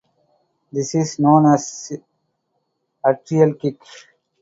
This is known as atrial kick.